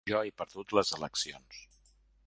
Jo he perdut les eleccions.